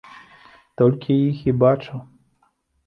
Толькі іх і бачыў.